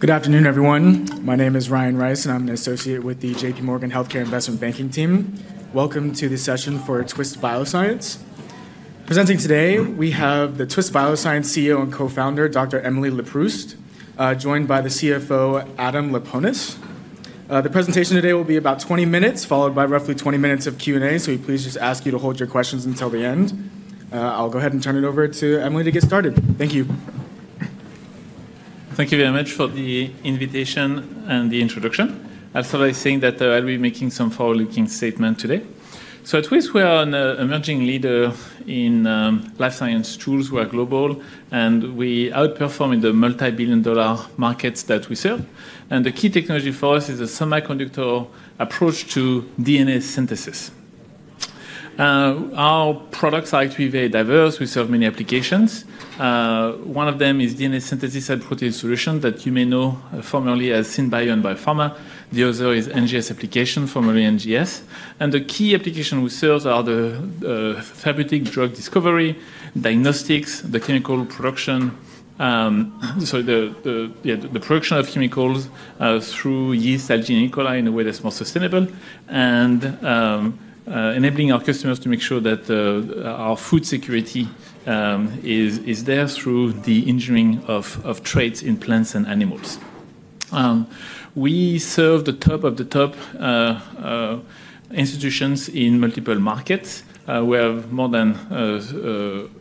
Good afternoon, everyone. My name is Ryan Rice, and I'm an associate with the JPMorgan Healthcare Investment Banking team. Welcome to the session for Twist Bioscience. Presenting today, we have the Twist Bioscience CEO and Co-Founder, Dr. Emily Leproust, joined by the CFO, Adam Laponis. The presentation today will be about 20 minutes, followed by roughly 20 minutes of Q&A, so we please just ask you to hold your questions until the end. I'll go ahead and turn it over to Emily to get started. Thank you. Thank you very much for the invitation and the introduction. I'll start by saying that I'll be making some forward-looking statements today. So at Twist, we are an emerging leader in life science tools who are global, and we outperform in the multi-billion-dollar markets that we serve. And the key technology for us is a semiconductor approach to DNA synthesis. Our products are actually very diverse. We serve many applications. One of them is DNA synthesis and protein solutions that you may know formerly as SynBio and Biopharma. The other is NGS application, formerly NGS. And the key applications we serve are the therapeutic drug discovery, diagnostics, the chemical production, so the production of chemicals through yeast, algae, and E. coli in a way that's more sustainable, and enabling our customers to make sure that our food security is there through the engineering of traits in plants and animals. We serve the top of the top institutions in multiple markets. We have more than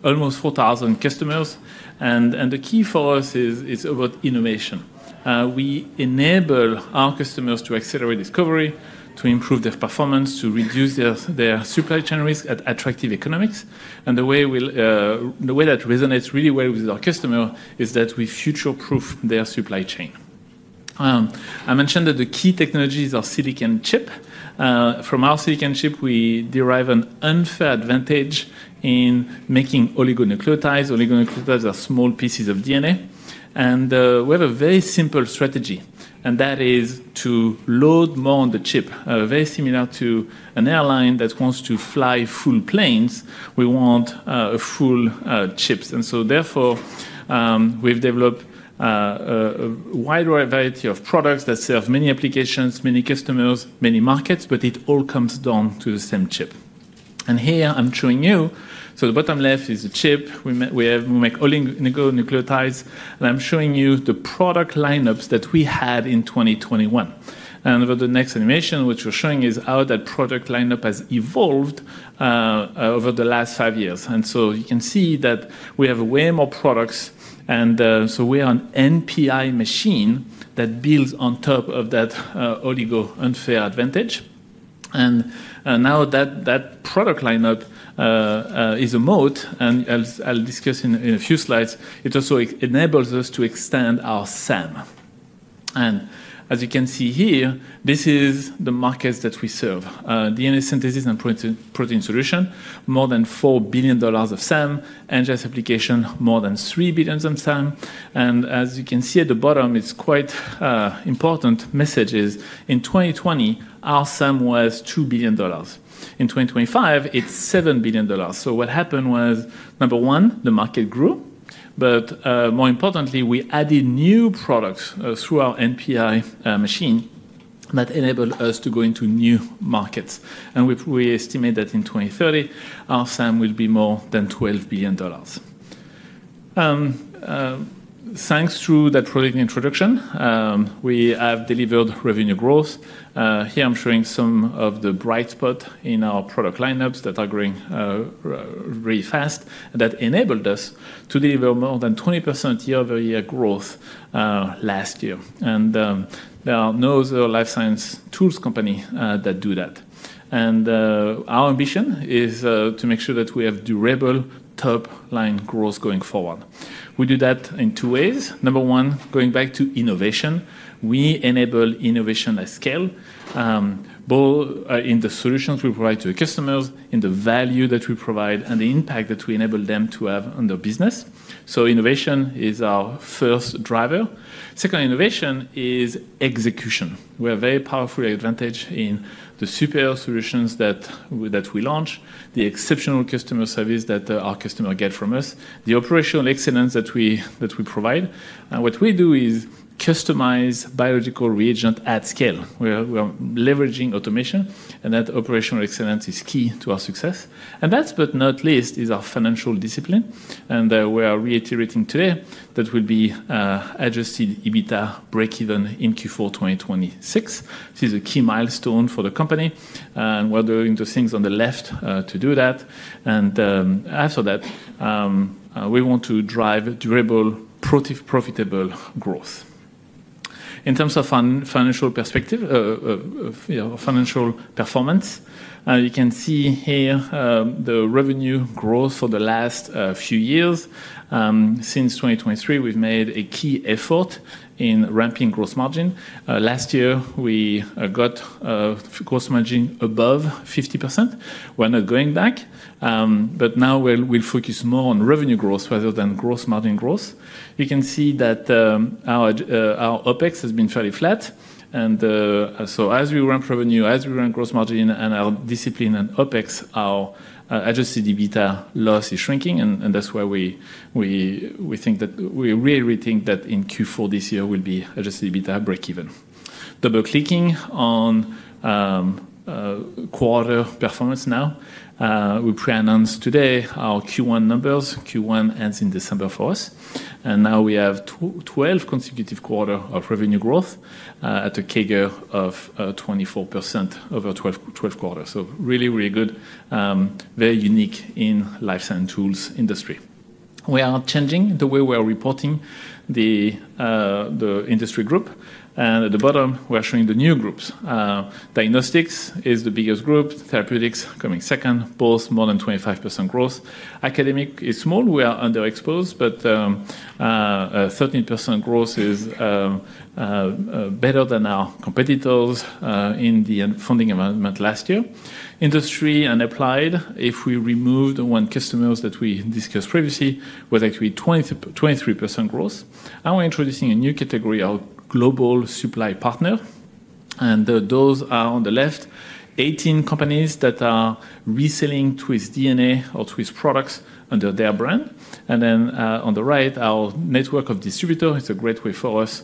almost 4,000 customers. And the key for us is about innovation. We enable our customers to accelerate discovery, to improve their performance, to reduce their supply chain risk at attractive economics. And the way that resonates really well with our customers is that we future-proof their supply chain. I mentioned that the key technologies are silicon chip. From our silicon chip, we derive an unfair advantage in making oligonucleotides. Oligonucleotides are small pieces of DNA. And we have a very simple strategy, and that is to load more on the chip. Very similar to an airline that wants to fly full planes, we want full chips. And so therefore, we've developed a wide variety of products that serve many applications, many customers, many markets, but it all comes down to the same chip. And here I'm showing you, so the bottom left is the chip. We make oligonucleotides, and I'm showing you the product lineups that we had in 2021. And for the next animation, what you're showing is how that product lineup has evolved over the last five years. And so you can see that we have way more products. And so we are an NPI machine that builds on top of that oligo unfair advantage. And now that product lineup is a moat, and I'll discuss in a few slides. It also enables us to extend our SAM. And as you can see here, this is the markets that we serve: DNA synthesis and protein solution, more than $4 billion of SAM, NGS application, more than $3 billion of SAM. And as you can see at the bottom, it's quite important messages. In 2020, our SAM was $2 billion. In 2025, it's $7 billion. So what happened was, number one, the market grew, but more importantly, we added new products through our NPI machine that enabled us to go into new markets. And we estimate that in 2030, our SAM will be more than $12 billion. Thanks to that product introduction, we have delivered revenue growth. Here I'm showing some of the bright spots in our product lineups that are growing very fast and that enabled us to deliver more than 20% year-over-year growth last year. And there are no other life science tools companies that do that. And our ambition is to make sure that we have durable top-line growth going forward. We do that in two ways. Number one, going back to innovation, we enable innovation at scale, both in the solutions we provide to the customers, in the value that we provide, and the impact that we enable them to have on their business, so innovation is our first driver. Second, innovation is execution. We have a very powerful advantage in the superior solutions that we launch, the exceptional customer service that our customers get from us, the operational excellence that we provide, and what we do is customize biological reagents at scale. We are leveraging automation, and that operational excellence is key to our success, and last but not least is our financial discipline, and we are reiterating today that we'll be adjusting EBITDA break-even in Q4 2026. This is a key milestone for the company, and we're doing the things on the left to do that. And after that, we want to drive durable, profitable growth. In terms of financial perspective, financial performance, you can see here the revenue growth for the last few years. Since 2023, we've made a key effort in ramping gross margin. Last year, we got gross margin above 50%. We're not going back, but now we'll focus more on revenue growth rather than gross margin growth. You can see that our OpEx has been fairly flat. And so as we ramp revenue, as we ramp gross margin, and our discipline and OpEx, our Adjusted EBITDA loss is shrinking, and that's why we think that in Q4 this year will be Adjusted EBITDA break-even. Double-clicking on quarter performance now, we pre-announced today our Q1 numbers. Q1 ends in December for us. Now we have 12 consecutive quarters of revenue growth at a CAGR of 24% over 12 quarters. Really, really good, very unique in the life science tools industry. We are changing the way we are reporting the industry group. At the bottom, we're showing the new groups. Diagnostics is the biggest group. Therapeutics coming second, both more than 25% growth. Academic is small. We are underexposed, but 13% growth is better than our competitors in the funding environment last year. Industry and applied, if we removed the one customer that we discussed previously, was actually 23% growth. Now we're introducing a new category, our global supply partner. Those are on the left, 18 companies that are reselling Twist DNA or Twist products under their brand. And then on the right, our network of distributors is a great way for us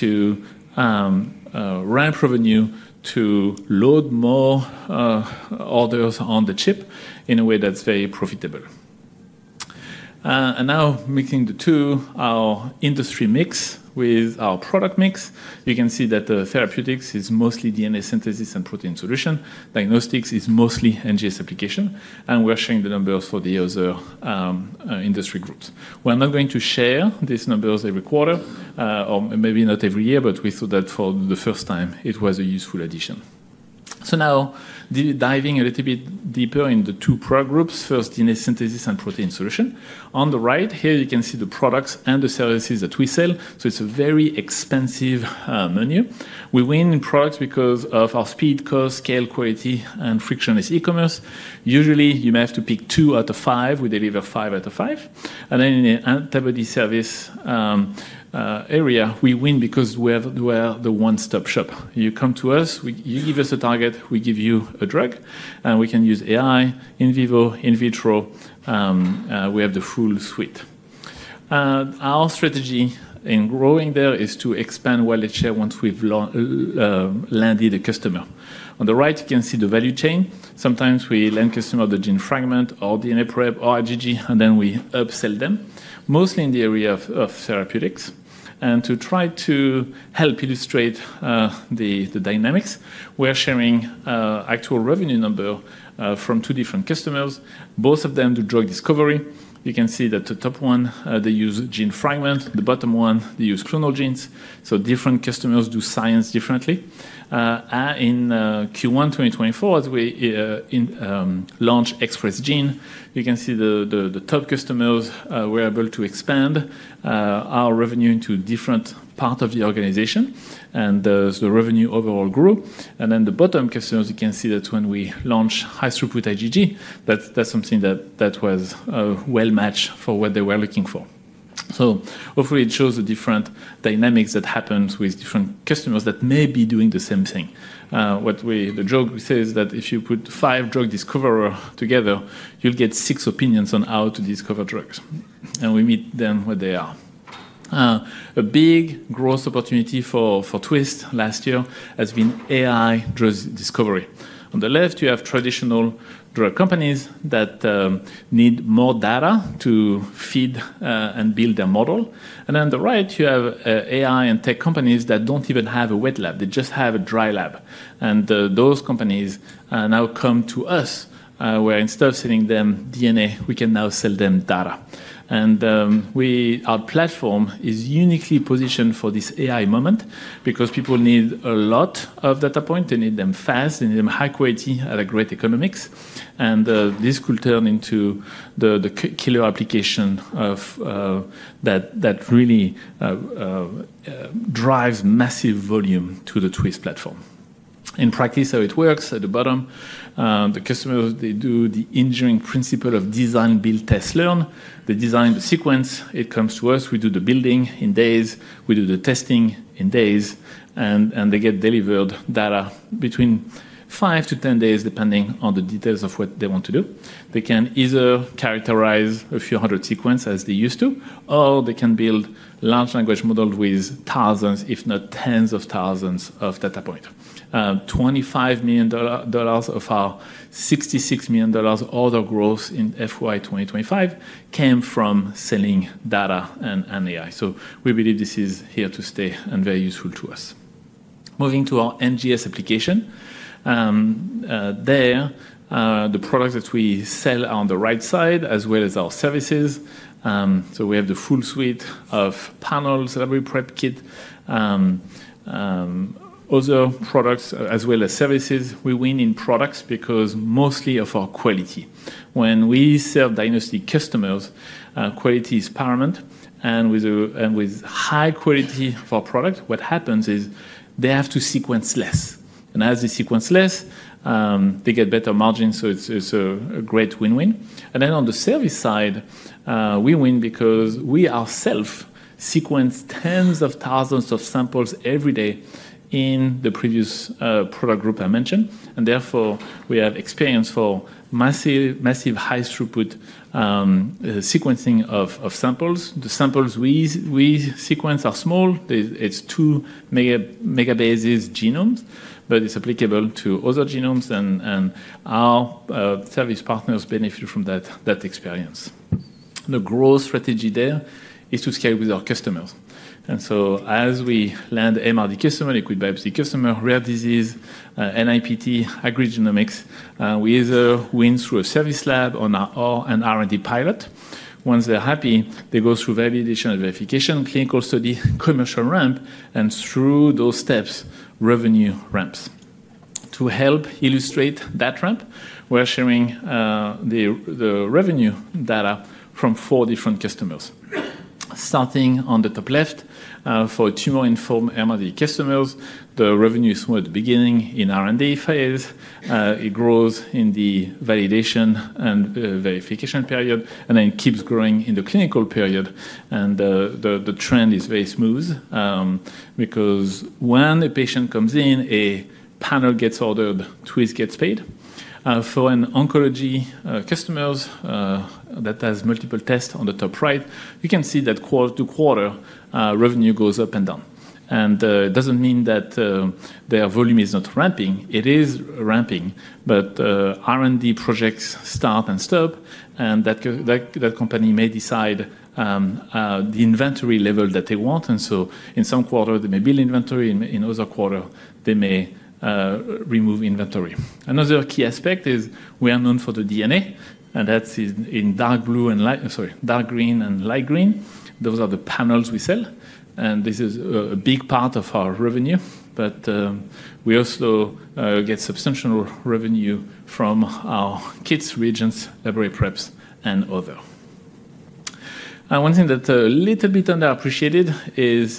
to ramp revenue, to load more orders on the chip in a way that's very profitable. And now mixing the two, our industry mix with our product mix. You can see that Therapeutics is mostly DNA synthesis and Protein Solutions. Diagnostics is mostly NGS applications. And we're showing the numbers for the other industry groups. We're not going to share these numbers every quarter, or maybe not every year, but we saw that for the first time it was a useful addition. So now diving a little bit deeper into the two product groups, first DNA synthesis and Protein Solutions. On the right, here you can see the products and the services that we sell. So it's a very expensive menu. We win in products because of our speed, cost, scale, quality, and frictionless e-commerce. Usually, you may have to pick two out of five. We deliver five out of five. And then in the antibody service area, we win because we're the one-stop shop. You come to us, you give us a target, we give you a drug, and we can use AI, in vivo, in vitro. We have the full suite. Our strategy in growing there is to expand wallet share once we've landed a customer. On the right, you can see the value chain. Sometimes we land customers of the gene fragment or DNA prep or IgG, and then we upsell them, mostly in the area of therapeutics. And to try to help illustrate the dynamics, we're sharing actual revenue numbers from two different customers. Both of them do drug discovery. You can see that the top one, they use gene fragment. The bottom one, they use clonal genes, so different customers do science differently. In Q1 2024, as we launch Express Genes, you can see the top customers were able to expand our revenue into different parts of the organization, and the revenue overall grew, and then the bottom customers, you can see that when we launch High-throughput IgG, that's something that was well-matched for what they were looking for, so hopefully, it shows the different dynamics that happen with different customers that may be doing the same thing. The joke we say is that if you put five drug discoverers together, you'll get six opinions on how to discover drugs, and we meet them where they are. A big growth opportunity for Twist last year has been AI drug discovery. On the left, you have traditional drug companies that need more data to feed and build their model, and then on the right, you have AI and tech companies that don't even have a wet lab. They just have a dry lab, and those companies now come to us, where instead of selling them DNA, we can now sell them data, and our platform is uniquely positioned for this AI moment because people need a lot of data points. They need them fast. They need them high-quality at a great economics, and this could turn into the killer application that really drives massive volume to the Twist platform. In practice, how it works at the bottom, the customers, they do the engineering principle of design, build, test, learn. They design the sequence. It comes to us. We do the building in days. We do the testing in days. They get delivered data between five to 10 days, depending on the details of what they want to do. They can either characterize a few hundred sequences as they used to, or they can build large language models with thousands, if not tens of thousands of data points. $25 million of our $66 million order growth in FY 2025 came from selling data and AI. We believe this is here to stay and very useful to us. Moving to our NGS application. There, the products that we sell are on the right side, as well as our services. We have the full suite of panels, library prep kit, other products, as well as services. We win in products because mostly of our quality. When we serve diagnostic customers, quality is paramount. With high quality of our product, what happens is they have to sequence less. And as they sequence less, they get better margins. So it's a great win-win. And then on the service side, we win because we ourselves sequence tens of thousands of samples every day in the previous product group I mentioned. And therefore, we have experience for massive high-throughput sequencing of samples. The samples we sequence are small. It's two megabases genomes, but it's applicable to other genomes. And our service partners benefit from that experience. The growth strategy there is to scale with our customers. And so as we land MRD customers, liquid biopsy customers, rare disease, NIPT, agrigenomics, we either win through a service lab on our R&D pilot. Once they're happy, they go through validation and verification, clinical study, commercial ramp, and through those steps, revenue ramps. To help illustrate that ramp, we're sharing the revenue data from four different customers. Starting on the top left, for tumor-informed MRD customers, the revenue is from the beginning in R&D phase. It grows in the validation and verification period, and then it keeps growing in the clinical period. And the trend is very smooth because when a patient comes in, a panel gets ordered, Twist gets paid. For oncology customers that have multiple tests on the top right, you can see that quarter to quarter, revenue goes up and down. And it doesn't mean that their volume is not ramping. It is ramping, but R&D projects start and stop, and that company may decide the inventory level that they want. And so in some quarter, they may build inventory. In other quarter, they may remove inventory. Another key aspect is we are known for the DNA. And that's in dark blue and light, sorry, dark green and light green. Those are the panels we sell. And this is a big part of our revenue. But we also get substantial revenue from our kits, reagents, library preps, and other. One thing that's a little bit underappreciated is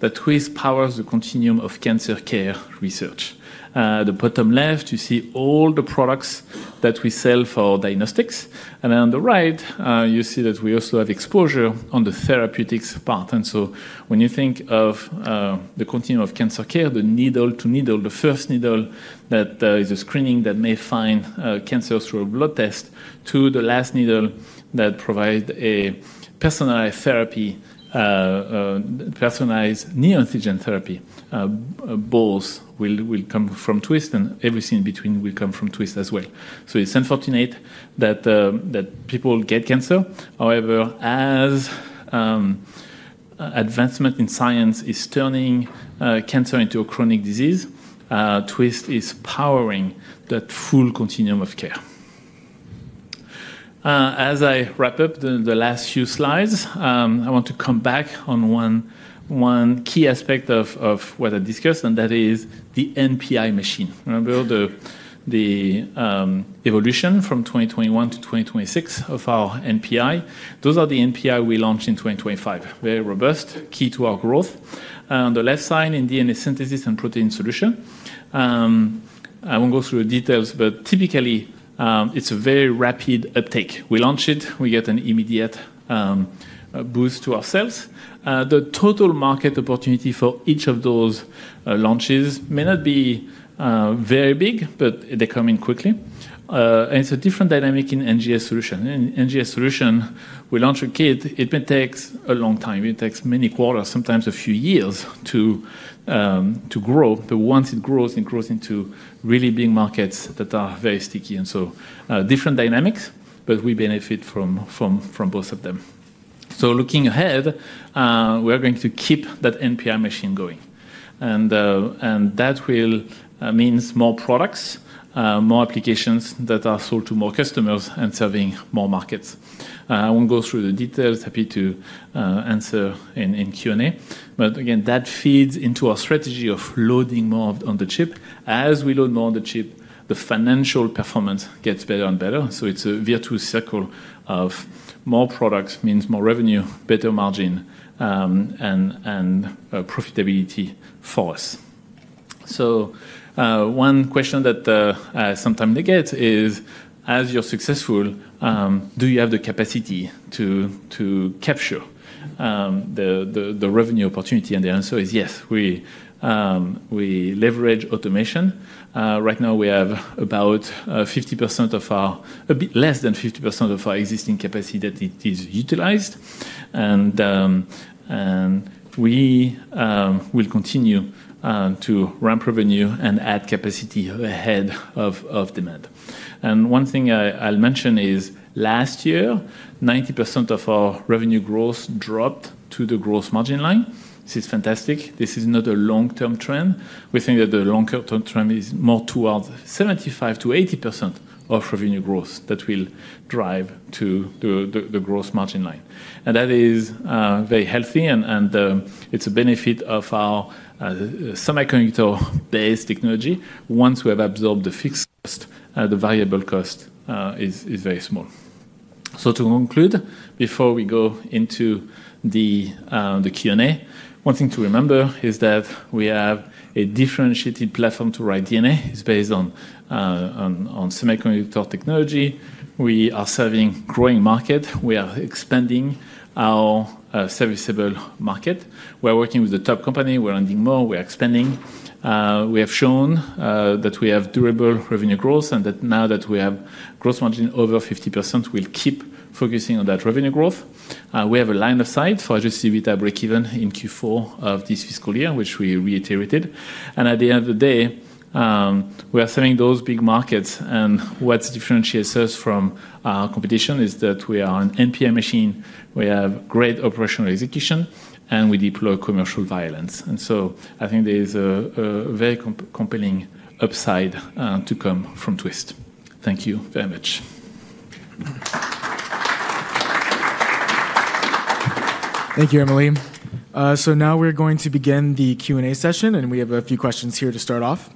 that Twist powers the continuum of cancer care research. The bottom left, you see all the products that we sell for diagnostics. And then on the right, you see that we also have exposure on the therapeutics part. And so when you think of the continuum of cancer care, the needle to needle, the first needle that is a screening that may find cancer through a blood test, to the last needle that provides a personalized therapy, personalized neoantigen therapy, both will come from Twist, and everything in between will come from Twist as well. So it's unfortunate that people get cancer. However, as advancement in science is turning cancer into a chronic disease, Twist is powering that full continuum of care. As I wrap up the last few slides, I want to come back on one key aspect of what I discussed, and that is the NPI machine. Remember the evolution from 2021 to 2026 of our NPI. Those are the NPI we launched in 2025. Very robust, key to our growth. On the left side, in DNA synthesis and protein solution, I won't go through the details, but typically, it's a very rapid uptake. We launch it, we get an immediate boost to ourselves. The total market opportunity for each of those launches may not be very big, but they come in quickly, and it's a different dynamic in NGS solution. In NGS solution, we launch a kit. It may take a long time. It takes many quarters, sometimes a few years to grow, but once it grows, it grows into really big markets that are very sticky, and so different dynamics, but we benefit from both of them, so looking ahead, we're going to keep that NPI machine going, and that means more products, more applications that are sold to more customers and serving more markets. I won't go through the details, happy to answer in Q&A, but again, that feeds into our strategy of loading more on the chip. As we load more on the chip, the financial performance gets better and better, so it's a virtuous circle of more products means more revenue, better margin, and profitability for us, so one question that I sometimes get is, as you're successful, do you have the capacity to capture the revenue opportunity? And the answer is yes, we leverage automation. Right now, we have about 50% of our, a bit less than 50% of our existing capacity that is utilized. And we will continue to ramp revenue and add capacity ahead of demand. And one thing I'll mention is last year, 90% of our revenue growth dropped to the gross margin line. This is fantastic. This is not a long-term trend. We think that the long-term trend is more towards 75%-80% of revenue growth that will drive to the gross margin line. And that is very healthy. And it's a benefit of our semiconductor-based technology. Once we have absorbed the fixed cost, the variable cost is very small. So to conclude, before we go into the Q&A, one thing to remember is that we have a differentiated platform to write DNA. It's based on semiconductor technology. We are serving a growing market. We are expanding our serviceable market. We're working with the top company. We're earning more. We're expanding. We have shown that we have durable revenue growth and that now that we have gross margin over 50%, we'll keep focusing on that revenue growth. We have a line of sight for Adjusted EBITDA break-even in Q4 of this fiscal year, which we reiterated, and at the end of the day, we are selling those big markets, and what differentiates us from our competition is that we are an NPI machine. We have great operational execution, and we deploy commercial excelence, and so I think there is a very compelling upside to come from Twist. Thank you very much. Thank you, Emily, so now we're going to begin the Q&A session, and we have a few questions here to start off.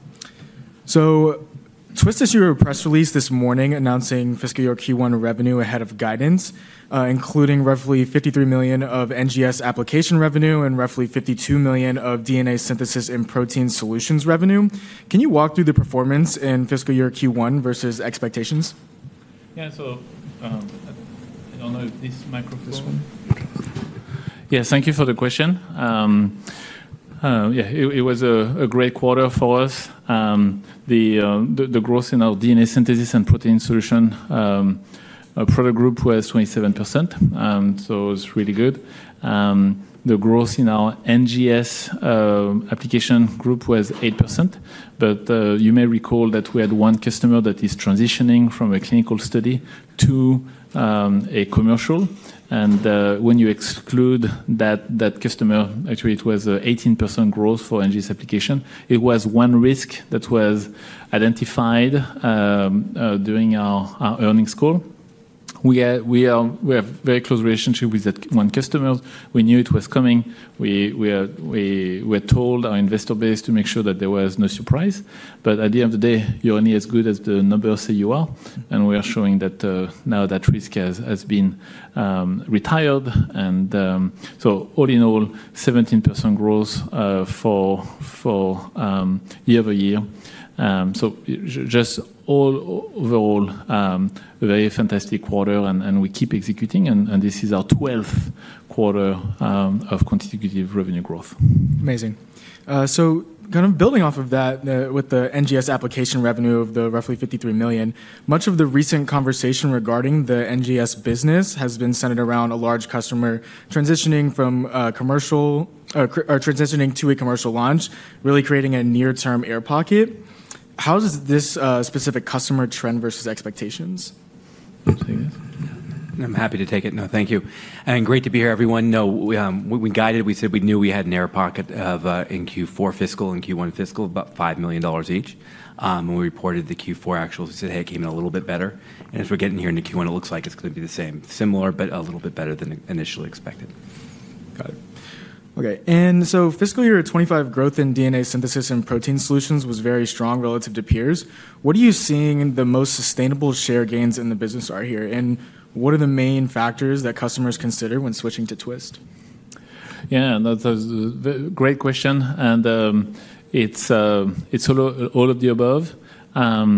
Twist issued a press release this morning announcing fiscal year Q1 revenue ahead of guidance, including roughly $53 million of NGS application revenue and roughly $52 million of DNA synthesis and protein solutions revenue. Can you walk through the performance in fiscal year Q1 versus expectations? Yeah, thank you for the question. Yeah, it was a great quarter for us. The growth in our DNA synthesis and protein solution product group was 27%. So it's really good. The growth in our NGS application group was 8%. But you may recall that we had one customer that is transitioning from a clinical study to a commercial. And when you exclude that customer, actually, it was 18% growth for NGS application. It was one risk that was identified during our earnings call. We have a very close relationship with that one customer. We knew it was coming. We were told our investor base to make sure that there was no surprise. But at the end of the day, you're only as good as the numbers say you are. And we are showing that now that risk has been retired. And so all in all, 17% growth for year-over-year. So just all overall, a very fantastic quarter. And we keep executing. And this is our 12th quarter of consecutive revenue growth. Amazing. So kind of building off of that with the NGS application revenue of roughly $53 million, much of the recent conversation regarding the NGS business has been centered around a large customer transitioning to a commercial launch, really creating a near-term air pocket. How does this specific customer trend versus expectations? I'm happy to take it. No, thank you. And great to be here, everyone. No, we guided. We said we knew we had an air pocket in Q4 fiscal and Q1 fiscal, about $5 million each. When we reported the Q4 actuals, we said, "Hey, it came in a little bit better," and as we're getting here into Q1, it looks like it's going to be the same, similar, but a little bit better than initially expected. Got it. Okay, and so fiscal year 2025 growth in DNA synthesis and protein solutions was very strong relative to peers. What are you seeing the most sustainable share gains in the business are here? And what are the main factors that customers consider when switching to Twist? Yeah, that's a great question, and it's all of the above. What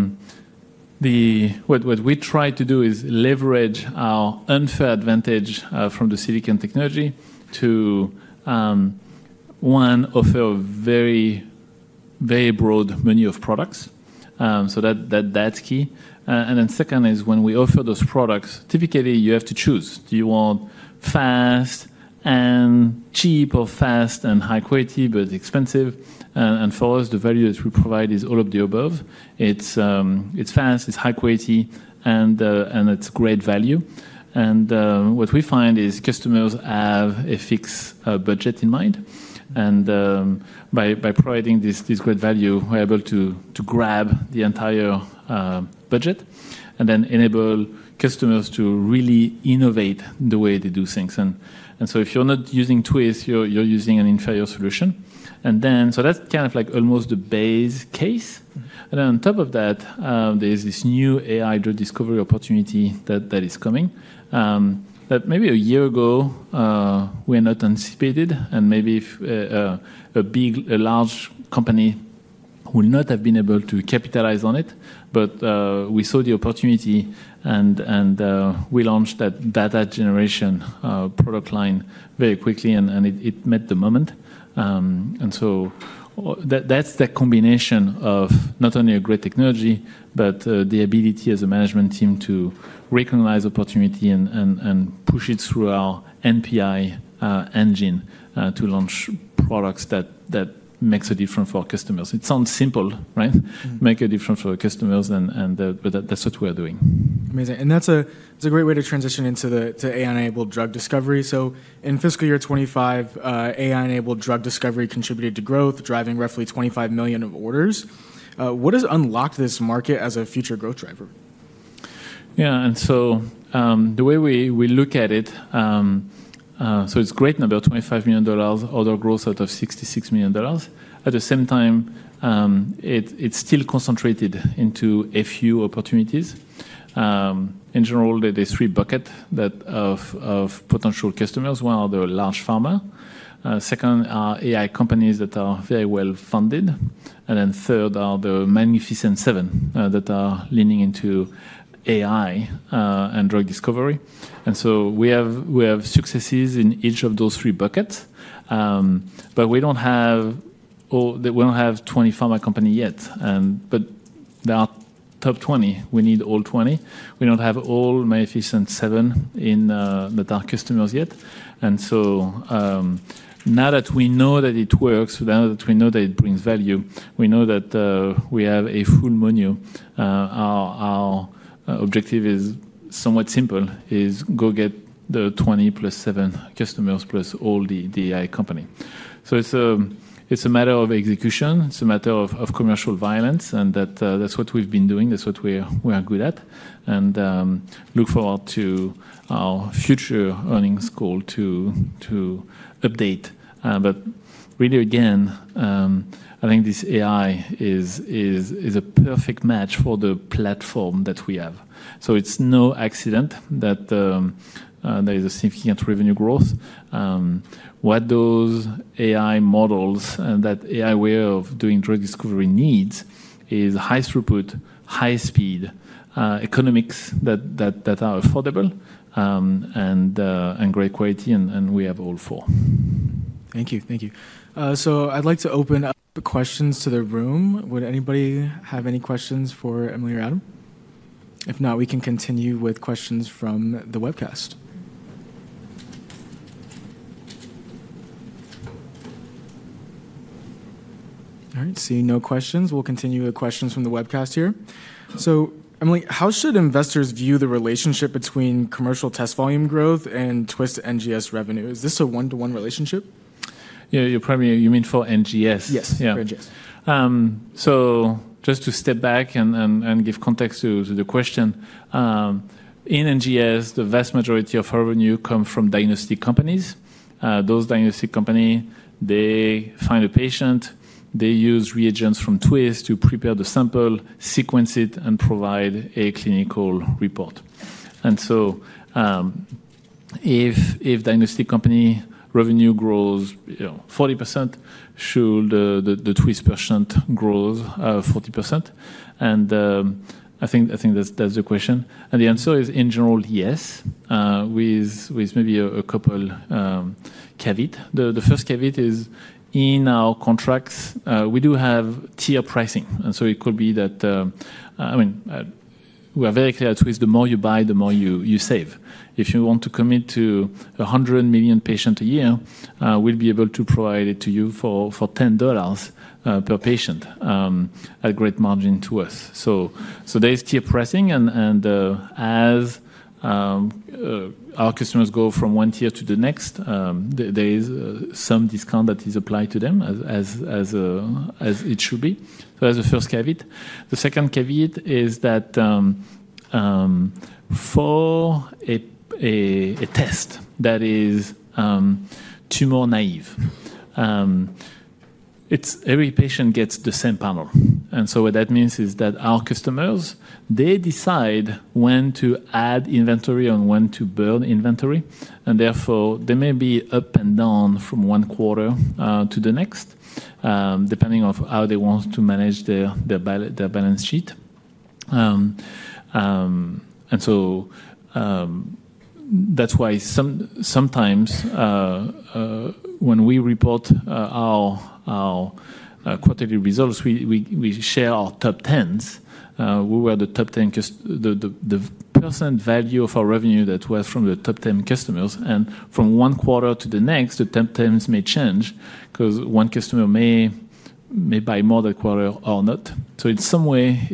we try to do is leverage our unfair advantage from the silicon technology to, one, offer a very broad menu of products, so that's key. And then second is when we offer those products, typically you have to choose. Do you want fast and cheap or fast and high quality, but expensive? And for us, the value that we provide is all of the above. It's fast, it's high quality, and it's great value. And what we find is customers have a fixed budget in mind. And by providing this great value, we're able to grab the entire budget and then enable customers to really innovate the way they do things. And so if you're not using Twist, you're using an inferior solution. And then so that's kind of like almost the base case. And then on top of that, there's this new AI drug discovery opportunity that is coming that maybe a year ago we had not anticipated. And maybe a large company will not have been able to capitalize on it. But we saw the opportunity and we launched that data generation product line very quickly and it met the moment. And so that's the combination of not only a great technology, but the ability as a management team to recognize opportunity and push it through our NPI engine to launch products that make a difference for customers. It sounds simple, right? Make a difference for customers and that's what we're doing. Amazing. And that's a great way to transition into the AI-enabled drug discovery. So in fiscal year 2025, AI-enabled drug discovery contributed to growth, driving roughly $25 million orders. What has unlocked this market as a future growth driver? Yeah, and so the way we look at it, so it's great number, $25 million, order growth out of $66 million. At the same time, it's still concentrated into a few opportunities. In general, there's three buckets of potential customers. One are the large pharma. Second are AI companies that are very well funded. And then third are the Magnificent Seven that are leaning into AI and drug discovery. And so we have successes in each of those three buckets. But we don't have 20 pharma companies yet. But there are top 20. We need all 20. We don't have all magnificent seven that are customers yet. And so now that we know that it works, now that we know that it brings value, we know that we have a full menu. Our objective is somewhat simple, is go get the 20 plus seven customers plus all the AI company. So it's a matter of execution. It's a matter of commercial violence. And that's what we've been doing. That's what we are good at. And look forward to our future earnings call to update. But really, again, I think this AI is a perfect match for the platform that we have. So it's no accident that there is a significant revenue growth. What those AI models and that AI way of doing drug discovery needs is high throughput, high speed, economics that are affordable, and great quality, and we have all four. Thank you. Thank you. So I'd like to open up questions to the room. Would anybody have any questions for Emily or Adam? If not, we can continue with questions from the webcast. All right. Seeing no questions, we'll continue with questions from the webcast here. So, Emily, how should investors view the relationship between commercial test volume growth and Twist NGS revenue? Is this a one-to-one relationship? You mean for NGS? Yes, for NGS. Just to step back and give context to the question, in NGS, the vast majority of revenue comes from diagnostic companies. Those diagnostic companies, they find a patient, they use reagents from Twist to prepare the sample, sequence it, and provide a clinical report. If diagnostic company revenue grows 40%, should the Twist percent grow 40%? I think that's the question. The answer is, in general, yes, with maybe a couple of caveats. The first caveat is in our contracts, we do have tier pricing. It could be that, I mean, we are very clear at Twist, the more you buy, the more you save. If you want to commit to 100 million patients a year, we'll be able to provide it to you for $10 per patient at great margin to us. There's tier pricing. As our customers go from one tier to the next, there is some discount that is applied to them as it should be. That's the first caveat. The second caveat is that for a test that is tumor-naive, every patient gets the same panel. What that means is that our customers, they decide when to add inventory and when to burn inventory. Therefore, they may be up and down from one quarter to the next, depending on how they want to manage their balance sheet. That's why sometimes when we report our quarterly results, we share our top 10s. We share the top 10 percent value of our revenue that was from the top 10 customers. From one quarter to the next, the top 10s may change because one customer may buy more that quarter or not. So in some way,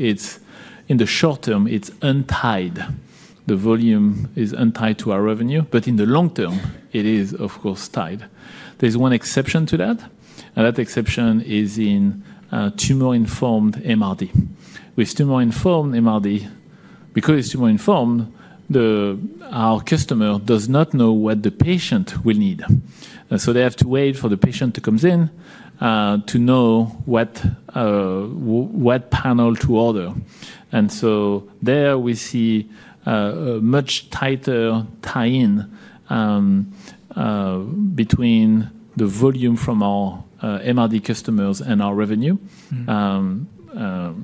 in the short term, it's untied. The volume is untied to our revenue. But in the long term, it is, of course, tied. There's one exception to that. And that exception is in Tumor-informed MRD. With Tumor-informed MRD, because it's tumor-informed, our customer does not know what the patient will need. And so they have to wait for the patient to come in to know what panel to order. And so there we see a much tighter tie-in between the volume from our MRD customers and our revenue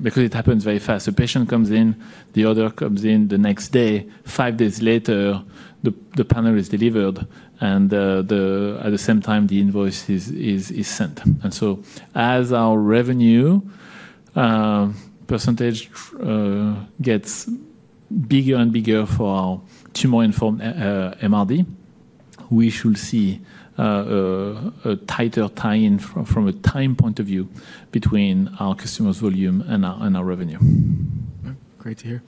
because it happens very fast. The patient comes in, the order comes in the next day. Five days later, the panel is delivered. And at the same time, the invoice is sent. And so as our revenue percentage gets bigger and bigger for our Tumor-informed MRD, we should see a tighter tie-in from a time point of view between our customers' volume and our revenue. Great to hear.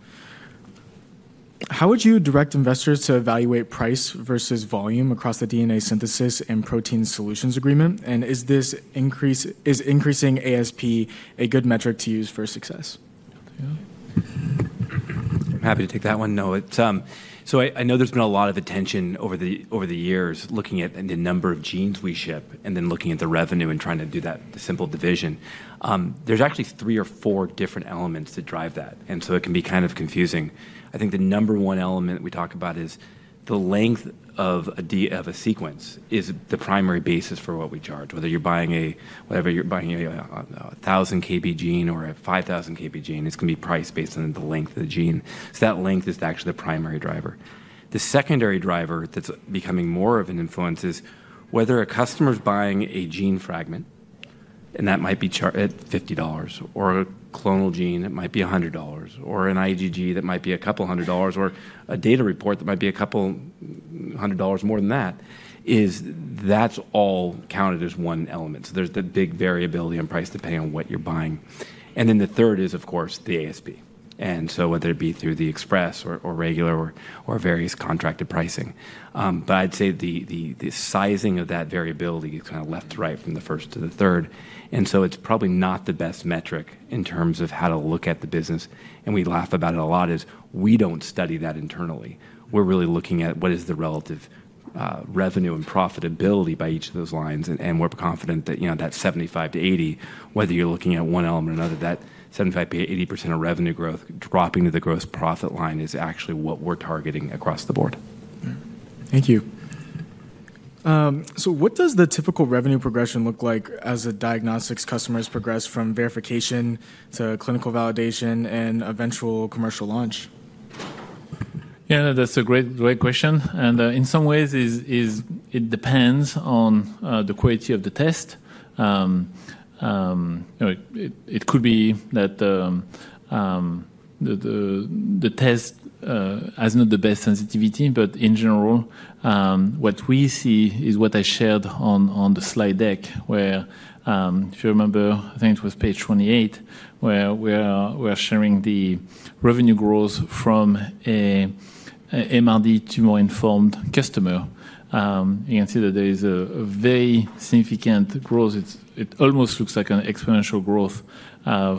How would you direct investors to evaluate price versus volume across the DNA synthesis and protein solutions agreement? And is increasing ASP a good metric to use for success? I'm happy to take that one. So I know there's been a lot of attention over the years looking at the number of genes we ship and then looking at the revenue and trying to do that simple division. There's actually three or four different elements that drive that. And so it can be kind of confusing. I think the number one element we talk about is the length of a sequence is the primary basis for what we charge. Whether you're buying a 1,000 bp gene or a 5,000 bp gene, it's going to be priced based on the length of the gene, so that length is actually the primary driver. The secondary driver that's becoming more of an influence is whether a customer is buying a gene fragment, and that might be at $50, or a clonal gene, it might be $100, or an IgG that might be a couple of hundred dollars, or a data report that might be a couple of hundred dollars more than that, that's all counted as one element. So there's the big variability in price depending on what you're buying, and then the third is, of course, the ASP, and so whether it be through the Express or regular or various contracted pricing. But I'd say the sizing of that variability is kind of left to right from the first to the third. And so it's probably not the best metric in terms of how to look at the business. And we laugh about it a lot, we don't study that internally. We're really looking at what is the relative revenue and profitability by each of those lines. And we're confident that that 75%-80%, whether you're looking at one element or another, that 75%-80% of revenue growth dropping to the gross profit line is actually what we're targeting across the board. Thank you. So what does the typical revenue progression look like as a diagnostics customer has progressed from verification to clinical validation and eventual commercial launch? Yeah, that's a great question. And in some ways, it depends on the quality of the test. It could be that the test has not the best sensitivity. But in general, what we see is what I shared on the slide deck, where if you remember, I think it was page 28, where we're sharing the revenue growth from an MRD tumor-informed customer. You can see that there is a very significant growth. It almost looks like an exponential growth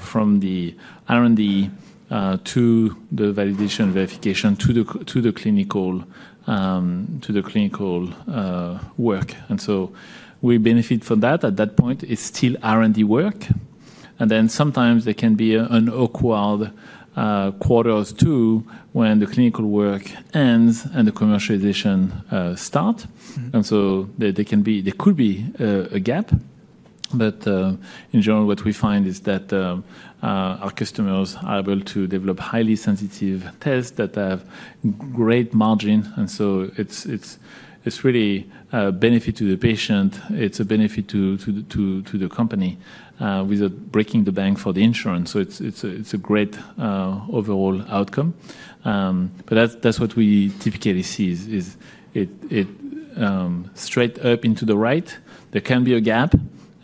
from the R&D to the validation verification to the clinical work. And so we benefit from that. At that point, it's still R&D work. And then sometimes there can be an awkward quarter or two when the clinical work ends and the commercialization starts. And so there could be a gap. But in general, what we find is that our customers are able to develop highly sensitive tests that have great margin. And so it's really a benefit to the patient. It's a benefit to the company without breaking the bank for the insurance. So it's a great overall outcome. But that's what we typically see is straight up into the right. There can be a gap,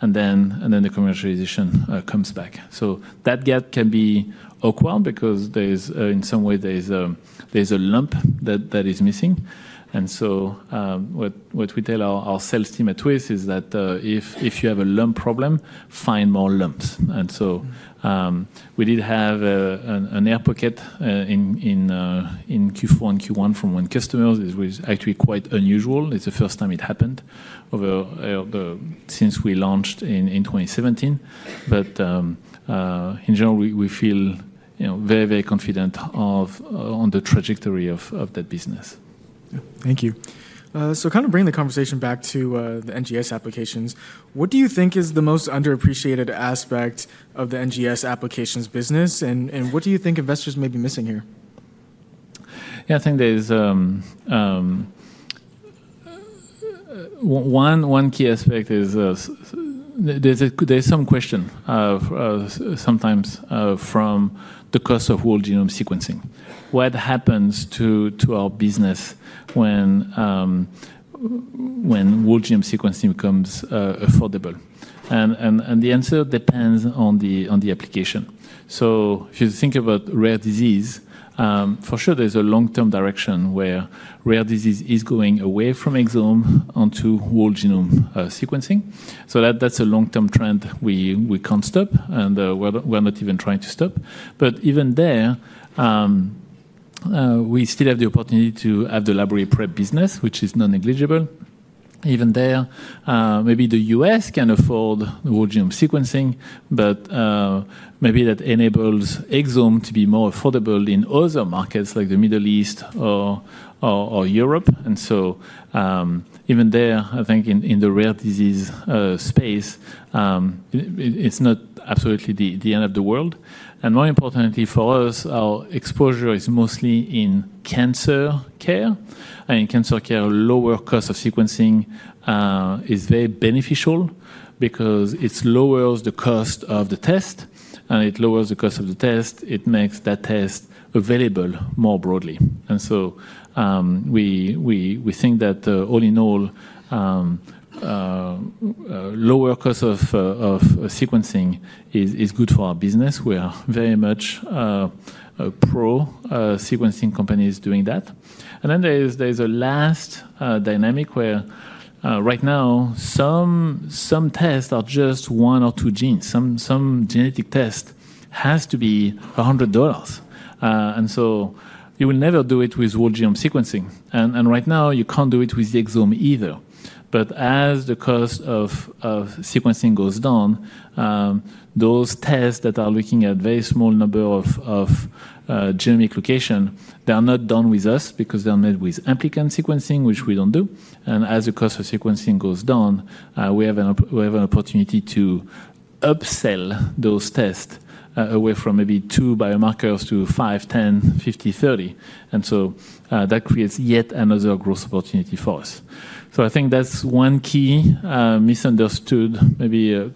and then the commercialization comes back. So that gap can be awkward because in some way, there's a lump that is missing. And so what we tell our sales team at Twist is that if you have a lump problem, find more lumps. And so we did have an air pocket in Q4 and Q1 from one customer. It was actually quite unusual. It's the first time it happened since we launched in 2017. But in general, we feel very, very confident on the trajectory of that business. Thank you. So kind of bringing the conversation back to the NGS applications, what do you think is the most underappreciated aspect of the NGS applications business? And what do you think investors may be missing here? Yeah, I think there's one key aspect. There's some question sometimes from the cost of whole genome sequencing. What happens to our business when whole genome sequencing becomes affordable? And the answer depends on the application. So if you think about rare disease, for sure, there's a long-term direction where rare disease is going away from exome onto whole genome sequencing. So that's a long-term trend we can't stop. And we're not even trying to stop. But even there, we still have the opportunity to have the library prep business, which is non-negligible. Even there, maybe the U.S. can afford whole genome sequencing, but maybe that enables exome to be more affordable in other markets like the Middle East or Europe. And so even there, I think in the rare disease space, it's not absolutely the end of the world. And more importantly for us, our exposure is mostly in cancer care. And in cancer care, lower cost of sequencing is very beneficial because it lowers the cost of the test. And it lowers the cost of the test. It makes that test available more broadly. And so we think that all in all, lower cost of sequencing is good for our business. We are very much pro sequencing companies doing that. And then there's a last dynamic where right now, some tests are just one or two genes. Some genetic test has to be $100. And so you will never do it with whole genome sequencing. And right now, you can't do it with the exome either. But as the cost of sequencing goes down, those tests that are looking at a very small number of genomic locations, they are not done with us because they are made with amplicon sequencing, which we don't do. And as the cost of sequencing goes down, we have an opportunity to upsell those tests away from maybe two biomarkers to 5, 10, 50, 30. And so that creates yet another growth opportunity for us. So I think that's one key misunderstood. Maybe a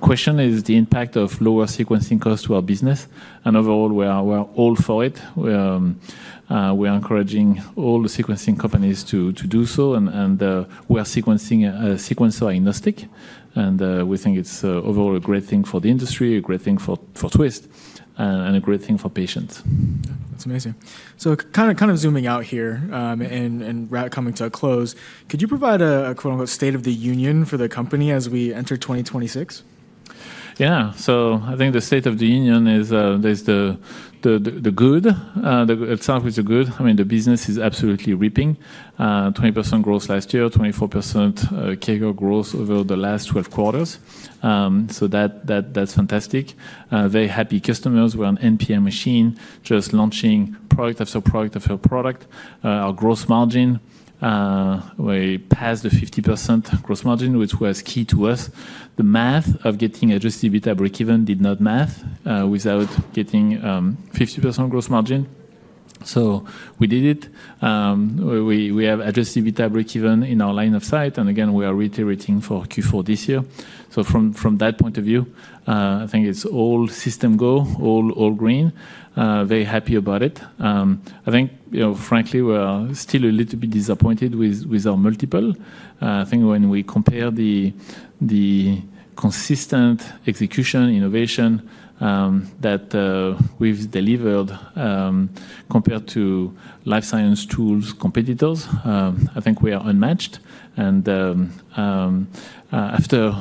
question is the impact of lower sequencing costs to our business. And overall, we're all for it. We're encouraging all the sequencing companies to do so. And we're a sequencer agnostic. And we think it's overall a great thing for the industry, a great thing for Twist, and a great thing for patients. That's amazing. So kind of zooming out here and coming to a close, could you provide a quote-unquote state of the union for the company as we enter 2026? Yeah. So I think the state of the union is the good. It sounds like it's a good. I mean, the business is absolutely ripping. 20% growth last year, 24% CAGR over the last 12 quarters. So that's fantastic. Very happy customers. We're an NPI machine, just launching product after product after product. Our gross margin, we passed the 50% gross margin, which was key to us. The math of getting Adjusted EBITDA break-even did not math without getting 50% gross margin. So we did it. We have Adjusted EBITDA break-even in our line of sight. And again, we are reiterating for Q4 this year. So from that point of view, I think it's all systems go, all green. Very happy about it. I think, frankly, we're still a little bit disappointed with our multiple. I think when we compare the consistent execution innovation that we've delivered compared to life science tools competitors, I think we are unmatched. And after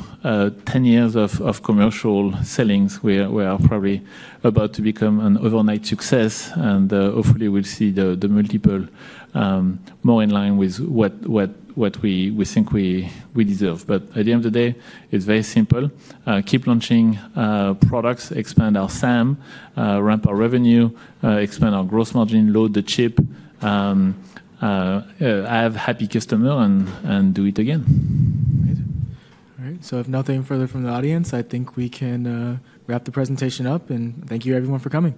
10 years of commercial scaling, we are probably about to become an overnight success. And hopefully, we'll see the multiple more in line with what we think we deserve. But at the end of the day, it's very simple. Keep launching products, expand our SAM, ramp our revenue, expand our gross margin, load the chip, have happy customers, and do it again. All right. So if nothing further from the audience, I think we can wrap the presentation up. And thank you, everyone, for coming.